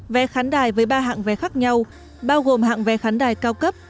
vé khán đài với ba hạng vé khác nhau bao gồm hạng vé khán đài cao cấp